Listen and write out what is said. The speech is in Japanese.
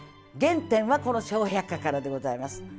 原点はこの「笑百科」からでございます。